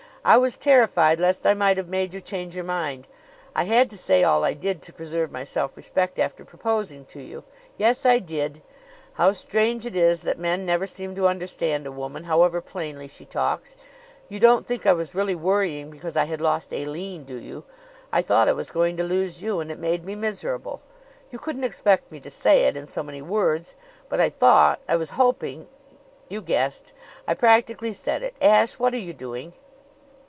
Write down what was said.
I was terrified lest I might have made you change your mind. I had to say all I did to preserve my self respect after proposing to you. Yes; I did. How strange it is that men never seem to understand a woman, however plainly she talks! You don't think I was really worrying because I had lost Aline, do you? I thought I was going to lose you, and it made me miserable. You couldn't expect me to say it in so many words; but I thought I was hoping you guessed. I practically said it. Ashe! What are you doing?"